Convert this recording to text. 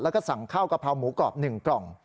แล้วก็สั่งข้าวกะเพราหมูกรอบ๑กล่อง